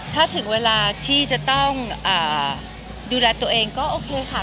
ถ้าถึงเวลาที่จะต้องดูแลตัวเองก็โอเคค่ะ